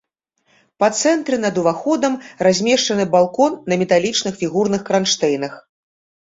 Па цэнтры над уваходам размешчаны балкон на металічных фігурных кранштэйнах.